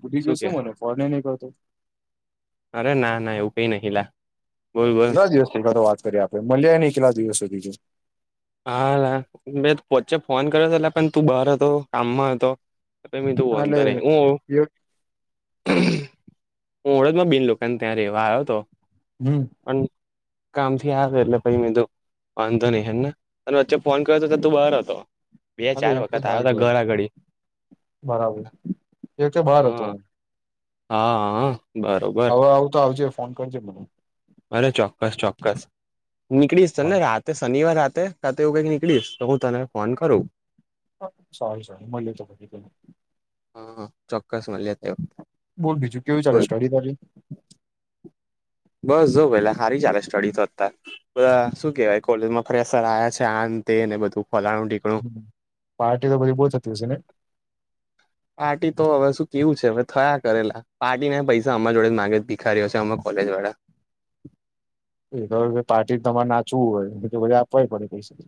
ભૂલી ગયા શું? મને ફોને નઈ કેતો. અરે ના એવ કઈ નાલા. કેટલા દિવસ પલા તો વાત કરીએ, આપે મળ્યા ને, કેટલા દિવસ સુધી જો હા, બે વચ્ચે ફોન કર્યો હતો, એટલે પણ તું બહાર હતો, કામમાં હતો. તો હા એટલે અંધ એ હા, ઓડદમાં બેન લોકોને ત્યાં રહેવા આવ્યો હતો. હમ્મ. પણ કામથી આવે, એટલે પ મે તો વાંધો નહી હેને? અને વચ્ચે ફોન્યો હતો કે, તું બહાર હતો. એટલે બે-ચાર એ વખતે વખત બાર આવ્યો હતા, ગયો હતો. ઘર આગળ, બરાબર એ વખતે બહાર હતો હા. હું હા, હા. બરોબર હવે આવું તો આવજે ફોન કરજે મરધું અરે ચોક્કસ, ચોક્કસ નીકળીશ, ત હા ને રાતે શનિવાર રાતે ખાતેવું કઈક નીકળીશ, તો હું તને ફોન કરું. સહી, સહી મને હા, ચોક્કસ મળ્યા. બોલ બીજું કેવું ચાલે સ્ટડી બડી? બસ જો પેલા સારી ચાલે સ્ટડી તો. શું કેવાય? કોલેજમાં ફેશર આવ્યા છે, આ અંતે ને બધું ફલાણું કું પાર્ટી તો બધી બહુ થતી હશે ને? પાર્ટી તો હવે શું કેવું છે? હવે થયા કરે અલા. પાર્ટીને પૈસા અમારા જોડે જ માગે જ ભિખારીયો છે, અમા કોલેજવાળા. એ તો કે હવે પાર્ટી તો તમને નાચવું હોય અતો આપવા એ પડે પૈસા.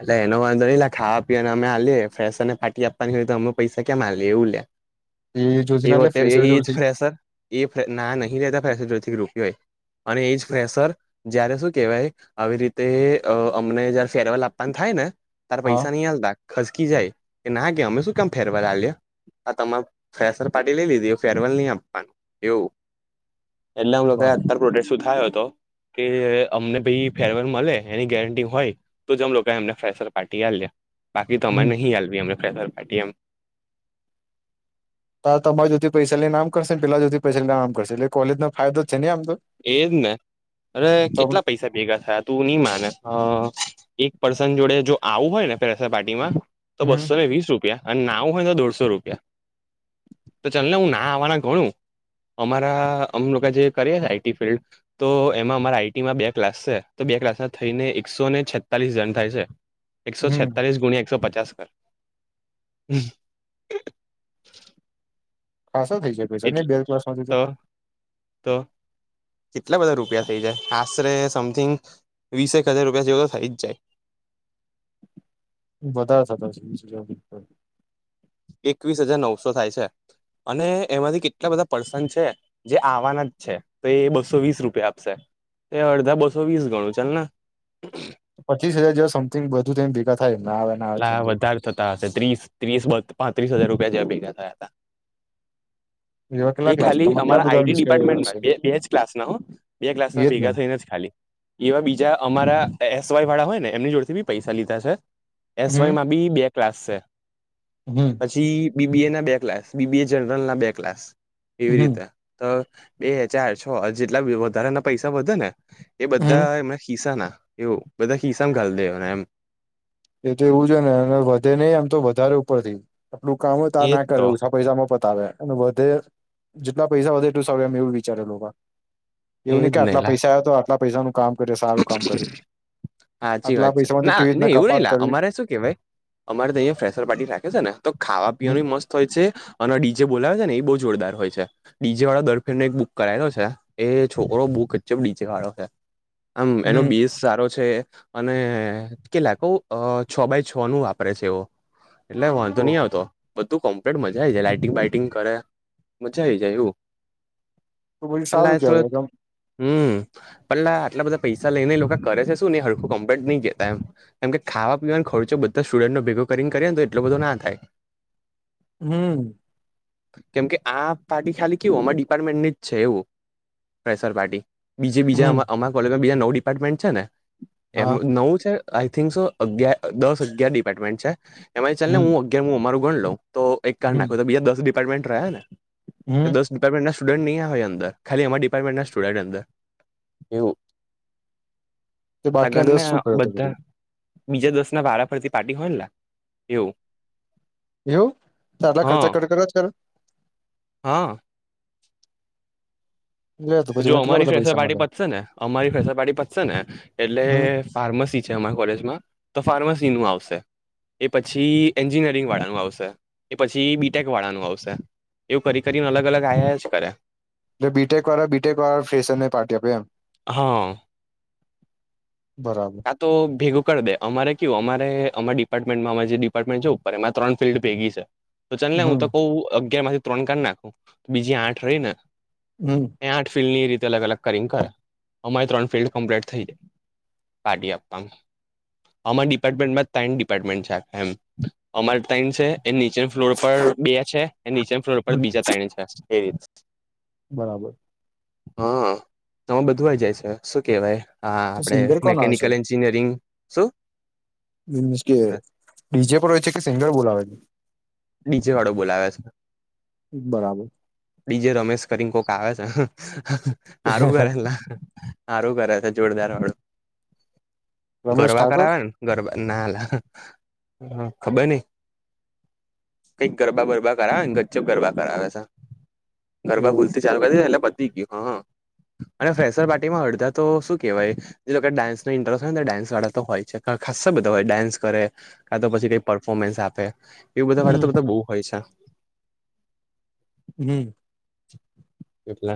એટલે એનો વાંધો નઈ લ્યા ખાવા પીવાને અમે હલીએ ફેશને ફાટી આપવાની હોય તો અમે પૈસા કેમ હાએ એવું લયા. એ જોથી ના લે એવું અત્યારે ફ્રેશર એ જ જોડથી ફ્રેશ હે. એ ના નહીં લેતા ફેશરથી રૂપિયો યે અને એજ ફેશર જયારે શું કેવાય આવી રીતે અમને જયારે ફેરવાલ આપવાની થાય ને તાર હા પૈસા નહીં આલતા. ખસકી જાય. કે ના કે અમે શું કેમ ફેરેવલ આલીએ હા, તમામે ફ્રેશર પાર્ટી લઈ લીધી ફેરવેલ નહી આપવાનું એવું. એટલે અમ લોકાએ બરાબર અતાર પ્રોડેક શું થાયો તો. કે અમને ભઈ ફેરવેલ મળે એની ગેરંટી હોય તો જ અમ લોક તો અમને ફ્રેસર પાર્ટી આલીએ બાકી તો અમારે હમ નહીં આલવી અમે ફ્રેશર પાર્ટી એમ. તા તમારા જોતી પૈસા લને નામ કરશે ને પેલા જોતી પૈસાને આમ કરશે એટલે કોલેજનો ફાયદો જ છે ને આમ તો. એજ ને અરે કેટલા પૈસા ભેગા થયા. તું ની માને એક પર્સન જોડે જો આવું હોય ને પ્રેસર પાર્ટીમાં તો હમ બસ્સો ને વીસ રૂપિયા અને ના આવું હોય ને તો દોઢસો રૂપિયા. તો ચલને હું ના આવવાના ઘણું અમારા અમ લોકો જે કરી હે [inaudible] તો એમાં અમારા આઈટીમાં બે ક્લાસ છે, તો બે ક્લાસમાં થઈને એકસો ને છેતાલીસ જન થાય છે. એકસો હમ છેતાલીસ ગુણ્યા એકસો પચાસ કર. ખાસા થઈ જાય. એટલે તો તો કેટલા બધા રૂપિયા થઈ જાય. આશરે સમથિંગ વીસેક હજાર રૂપિયા જેવ તો થઈ જ જાય. વધારે થતા હશે વીસ હજારથી ઉપર એકવીસ હજાર નવસો થાય છે અને એમાંથી કેટલા બધા પર્સન છે. જે આવવાના જ છે. તો એ બસો વીસ રૂપિયા આપશે. એ અડધા બસો વીસ ગણું ચલને પચીસ હજાર જેવા સમથિંગ બધું થઈને ભેગા થાય ના આવે ના આવે એટલા થઈને તોય. વધારે થતા હશે ત્રીસ ત્રીસ પાંત્રીસ હજાર રૂપિયા જેવા ભેગા થયા હતા. એવા કેટલા એ ક્લાસ ખાલી તમે કેટલા અમારા બધા આઈટી મિસ હશે ડિપાર્ટમેન્ટમાં બે બે જ ક્લાસના હો. બે ક્લાસના એ જ ને ભેગા થઈને જ ખાલી. એવા બીજા અમારા એસવાયવાળા હોય ને એમની જોડેથી બી પૈસા લીધા છે. એસયમાં બી બે ક્લાસ છે. હમ્મ પછી બીબીએના બે ક્લાસ બીબીએ જનરલના બે ક્લાસ એવી હમ રીતે. તો બે ચાર છ જેટલા વધારાના પૈસા વધે ને એ હમ બધા એમાં ખિસ્સાના, એવું બધા ખિસ્સામાં ઘાલ દેવાના એમ. એ તો એવું જ હોયને. અને વધે નહી આમ તો વધારે ઉપરથી આપડું કામ હો તાર એજ ના કરે તો ઓછા પૈસામાં પતાવે અને વધે જેટલા પૈસા વધે એટલું સાર એમ એવું વિચારે લોકા એવું નહી એજ કે ને આટલા લા પૈસા આવ તો આટલા પૈસાનું કામ કરે સારું કામ કરે. સાચી આટલા વાત છે પૈસામાંથી ના કેવી ને રીતના કા એવું નઈ લા અમારે શું કેહેવાય અમારે તો અહીંયા ફેશર પાર્ટી રાખે છે ને તો ખાવા હમ પીવાની મસ્ત હોય છે અને ડીજેે બોલાવે છે ને એ બહુ જોરદાર હોય છે. ડીજે વાળો દરફેણને એક બુક કરાયેલો છે એ છોકરો બહુ ગજબ ડીજેવાળો છે. આમ એનો હમ બેસ સારો છે. અને કેલા કઉ છ બાય છ નું વાપરે છે એવો. એટલે વાંધો તો નઈ આવતો. બધું કમ્પ્લેટ મજા આય જાય લાઇટિંગ બાઈટિંગ કરે મજા આવી જાય એવું. તો પછી સારું પલા કેવાય થોડ હમ્મ પણ લા આટલા બધા પૈસા લઈને એ લોકા કરે છે શું ને હરખું કમ્પ્લેટ નય કેતા એમ. કેમ કે ખાવા પીવાનો ખર્ચો બધા સ્ટુડન્ટો ભેગો કરીને કરે ને તો એટલો બધો ના થાય. હમ્મ. કેમ કે આ પાર્ટી ખાલી કેવું અમાર ડિપાર્ટમેન્ટની જ છે એવું. ફેશરપાર્ટી બીજ બીજા હમ અમાર કોલેજમાં બીજા નવું ડિપાર્ટમેન્ટ છે ને એમ હા નવું છે આઈ થિંક સો દસ અગિયાર ડિપાર્ટમેન્ટ છે એમાં ચલને હમ હું હું અમારું ગણ લઉં તો એક કાર હમ નાખું બીજા દસ ડિપાર્ટમેન્ટ રહ્યા ને હમ ડિપાર્ટમેન્ટના સ્ટુડન્ટ નહીં આવે હોય અંદર ખાલી અમાર ડિપાર્ટમેન્ટના સ્ટુડન્ટ અંદર એવું. તે તાર બાકીના ગણને દસ શું કર્યો હતો બધા કરી બીજા દસના વારા ફરતી પાર્ટી હોય ન લા એવું. એવું તો આટલા હા ખર્ચા કર કરજ કરે? હા. લે તો પછી જો મને કેટલા અમારી બધા પૈસા ફેશરપાર્ટી મળે પતશે ને અમારી ફેસરપાર્ટી પતશે ને એટલે હમ ફાર્મસી છે અમારા કોલેજમાં તો ફાર્મસીનું આવશે. એ પછી એન્જિનિયરિંગવાળાનું આવશે એ પછી બીટેકવાળાનું આવશે. એવું કરી કરીને અલગ અલગ આય આય જ કરે. એટલે બીટેકવાળા બીટેકવાળા ફેશનને પાર્ટી આપે એમ હા. બરાબર. તો ભેગું કરી દે અમારે કેવું અમારે અમા ડિપાર્ટમેન્ટમાં જે ડિપાર્ટમેન્ટ જવ ઉપર એમાં ત્રણ ફિલ્ડ ભેગી છે. તો ચાલ ને હું હમ તો કવ અગિયારમાંથી ત્રણ કાઢ નાખ બીજી આઠ રહી ને. હમ. એ આઠ ફિલ્ડની રીતે અલગ અલગ કરી ન કરે અમારી ત્રણ ફિલ્ડ કમ્પ્લીટ થઈ. પાર્ટી આપવા અમારા ડિપાર્ટમેન્ટમાં તન ડિપાર્ટમેન્ટ છે આખા અમાર તયન છે. એ નીચે ફ્લોર પર બે છે એ નીચે ફ્લોર પર હમ બીજા તયન છે એ રીત બરાબર. હા તમે બધું આય જાય છે શું કેવાય હા તો આપડે સિંગર કોણ આવે છે ઇન્જિનયરિંગ શું? મિન્સ કે ડીજે પણ હોય છે કે સિંગર બોલાવે છે? ડીજેવાળો બોલાવે છે. બરાબર. ડીજે રમેશ કરી કોક આવે છે સારું કરે. સારું કરે છે જોરદારવાળું રમેશ ગરબા ઠાકોર કરાવે ને ગરબા નાલા હ ખબર નઈ. કઈક ગરબા બરબા કરાવે ગજબ ગરબા કરાવે ગરબા એવું ભૂલતી ચાલુ કર દીધું એટલે પતી ગયું હ અને ફેસરપાર્ટીમાં અડધા તો શું કેવાય એ લોકો ડાન્સનો ઇન્ટરેસ્ટ હોય ને તો ડાન્સવાળા તો હોય છે ખાસા બધા હોય ડાન્સ કરે કા તો પછી કઈક પરફોર્મન્સ આપે એવું બધાવાળ હમ તો બધા બોવ હોય છે. હમ. એટલે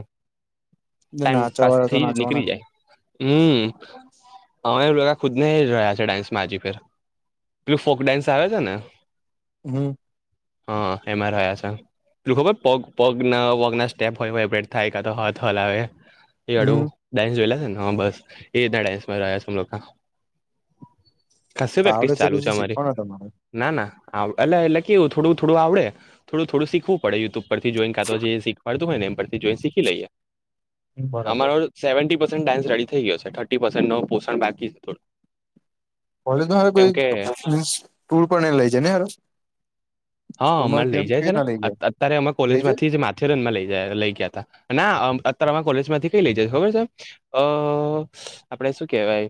ને નાચવા વાળા તો ટાઈમપાસથી જ નાચવાના નીકળી ને જાય. હમ હવે એવું લા ખુદને રહ્યા છે ડાન્સમાં હજી ફેર. પેલું ફોક ડાન્સ આવે છે, ને હમ. હા એમાં રહયા છે. પેલુ ખબર પગ પગના પગના સ્ટેપ હોય [unintelligible] થાય હાથ હલાવે એ અડું હમ ડાન્સ જોયલા છે, ને હ બસ એ રીતના ડાન્સમાં રહયા છે. ખાશી તો આવડે પ્રેક્ટીસ ચાલુ કે છે, અમારી શીખવાના તમારે ના ના આવે એટલે એટલે કેવું થોડું થોડું આવડે થોડું થોડું શીખવું પડે યુટ્યુબ પરથી જોઈન કાતો જે શીખવાડતું હોય ને એમ પરથી જોઈન શીખી લઈએ બરાબર અમા સેવન્ટી પર્સેન્ટ ડાન્ રેડી થઈ ગયો છે, થર્ટી પર્સેન્ટ પોષણ બાકી છે, થોડું કેમ કે [inaudible] હા અમારે કેમ લઈ કેવી જાય છે, ને રીતના લઈ જાય અત્યારે અમે કોલેજ લઈ જાય માંથી જ મા થેરનમાં લઈ ગયા લઈ ગયા હતા ના અત્યારેમાં કોલેજ માંથી કઈ લઈ જાય ખબર છે. અ આપડે શું કેવાય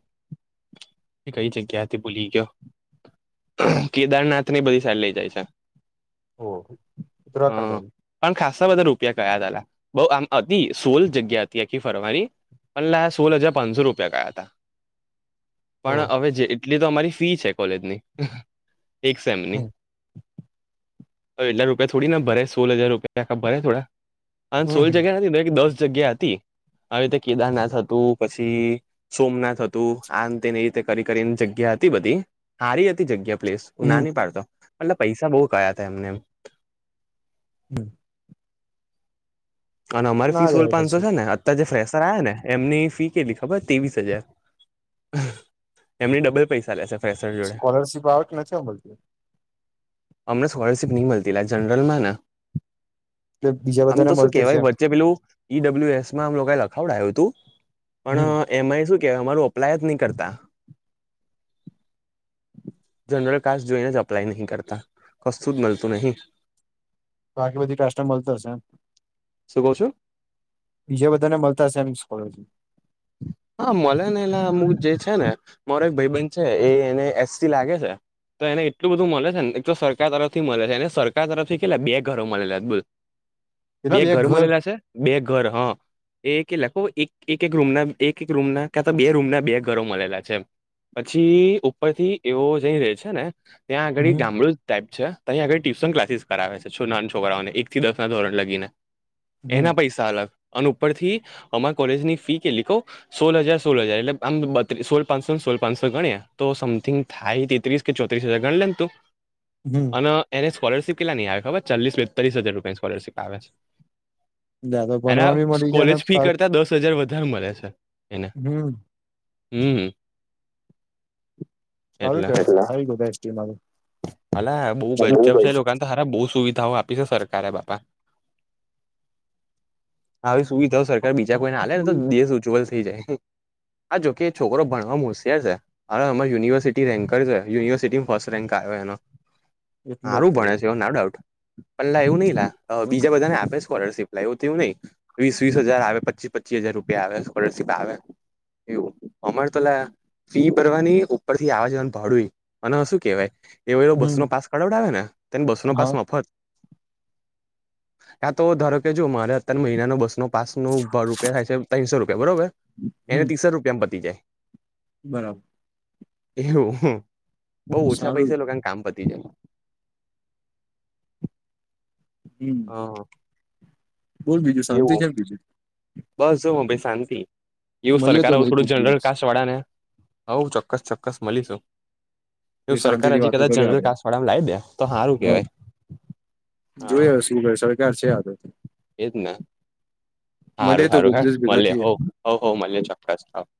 કઈ જગ્યાથી હતી ભૂલી ગયો કેદારનાથ એટની બધી સારી લઇ જાય છે. હો ઉત્તરાખંડ હ બાજુ પણ ખાસ્સા બધા રૂપિયા કયા તલા બો આમ અતિ સોલ જગ્યા હતી આખી ફરવાની પણ લા સોલ હજાર પાંચસો રૂપિયા કયા હતા. ઓહ પણ હવે જે એટલી તો અમારી ફી છે, કોલેજની એક સેમની હમ હવે એટલા રૂપિયા થોડી ના ભરાય સોલ હજાર રૂપિયા આખા ભરાય થોડા [unintelligible] સોલ હમ જગ્યા નથી દસ જગ્યા હતી આવી રીતે કેદારનાથ હતું પછી સોમનાથ હતું આ અંતે એ રીતે કરી કરી જગ્યા હતી હારી હતી જગ્યા પ્લેસ હમ નાની પાડતો એટલે પૈસા બો કયા હતા એમને એમ હમ. અને અમારી ના ફી સોલ જવાય પાંચસો પછી છે, ને અ જે ફ્રેસર આયાને એમની ફી કેટલી ખબર ત્રેવીસ હજાર એમની ડબલ પૈસા લે છે. સ્કોલરશિપ આવે કે નથી અમલતી અમને સ્કોલરશિપ ની મલતી અલા જનરલમાં ના એટલે બીજા આમ બધાને તો શું મળતી હશે કેવાય એમ વચ્ચે પેલું ઈ ડબલ્યુ એસમાં આમ લોકાય લખાવડાય્યુંતું હમ પણ એમાં શું કેહેવાય અમારુ અપ્લાય જ ની કરતા જનરલ કાસ જોઈને જ અપ્લાય નહી કરતા કશુ જ મલતું નહી બાકી બધી ટ્રાસને મલતી હશે એમ શું કવ છો? બીજા બધાને મલતા હશે એમ સ્કોલરશીપ હા મલેને એલા અમુક જે છે, ને મારો એક ભાઈ બન છે, એ એને એસટી લાગે છે. તો એને એટલું બધું મલે છે, ને એક તો સરકાર તરફથી મલે છે, એને સરકાર તરફથી કેટલા બે ઘરો મલેલા બોલ બે કેટલા ઘરો ઘર મલેલા છે, બે ઘર હ એ કે લખો એક એક એક રૂમના એક એક રૂમના ક્યા તો બે રૂમના બે ઘરો મલેલા છે, એમ પછી ઉપરથી એવો જઈ રહે છે, ને ત્યાં આગળી હમ ગામડું ટાઈપ છે, અહીં આગળ ટ્યુશન ક્લાસીસ કરાવે છે, છું ના છોકરાઓને એક થી દસના ધોરણ લગીને હમ એના પૈસા અલગ અને ઉપરથી અમાર કોલેજની ફી કેલી કવ સોલ હજાર સોલ હજાર એટલે આમ બત્રી સોલ પાંચસોને સોલ પાંચસો ગણએ તો સમથિંગ થાય તેત્રીસ કે ચોત્રીસ હજાર ગણ લે ની તું. હમ. એને સ્કોલરશિપ કેટલા ની આવે, ખબર ચાલીસ બેતાલીસ હજાર રૂપિયાની સ્કોલરશિપ આવે છે. લ્યા તો એના ભણવાનું બી મળી જાય ને કોલેજ ફી પાછ કરતા દસ હજાર વધારે મલે છે, એને. હમ. હમ. સારું કેવાય, સારી બધી એસટી મા તો ભલા બહુ ગજબ છે, લોકોને તો સાર બહુ સુવિધાઓ આપી છે, સરકારે બાપા. આવી સુવિધાઓ સરકાર બીજા કોઈને, હાલે ને, તો દેશ ઉજ્જવલ થઈ જાય. આ જોકે છોકરો ભણવામા હોશયાર છે, હવે અમારે યુનિવર્સિટી રેન્કર છે, યુનિવર્સિટી ફર્સ્ટ રેન્ક આયો એનો એટલે હારું તો ભણે છે, એનો ડઉટ પલાવું નહિ લા બીજા બધાને આપે છે, સ્કોલરશીપ લવું તેવું નહી. વીસ-વીસ હજાર આવે, પચીસ પચી હજાર રૂપિયા આવે, સ્કોલરશિપ આવે. એવું અમારે તોલા. ફી ભરવાની ઉપર થી આવા જવાનું, ભડુંય અને શું કેવાય? એવો, એવો બસ હમ નો પાસ કડવડાવે ને, તેને બસ નો હા પાસ મફત કાંતો તો ધારો કે, જો મારે અત્યાર મહિનાનો બસનો પાસનું ભ રૂપિયા થાય છે, ત્રણસો રૂપિયા બરાબર હમ એને ત્રીસો રૂપિયામાં પતી જાય. બરાબર. એવું બઉ ઓછા સારું પૈસે એ લોકોને કામ પતી જાય. હમ. હા. બોલ બીજું શાંતિ છે ને, બીજું. બસ જો હું ભાઈ શાંતિ એવું મળ્યો તો સરકાર આવે, ભાઈ થોડું કોક જનરલ દિવસ કાસ વાળા ને. હઉ ચોક્કસ, ચોક્કસ મલીશું. એવું એ શાંતિ સરકાર થી હજી વાતો કદાચ કરીએ જનરલ આપડે કાસ વાળામાં લાવ દે, તો હારું કેહેવાય. જોયે હવે શું કરે? સરકાર છે આતો. એ જ ના. મળે હારું, તો હારું, કોક હે દિવસ ભેગા મ થઈએ હો હો હો મલે ચોક્કસ થ [unintelligible]